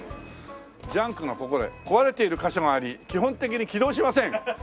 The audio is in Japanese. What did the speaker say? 「ジャンクの心得」「壊れている箇所があり基本的に起動しません」